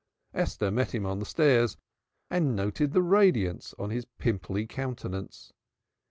Esther met him on the stairs and noted the radiance on his pimply countenance.